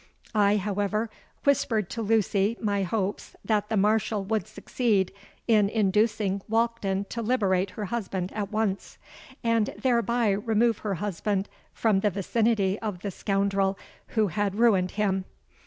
I, however, whispered to Lucy my hopes that the Marshal would succeed in inducing Walkden to liberate her husband at once; and thereby remove her husband from the vicinity of the scoundrel who had ruined him.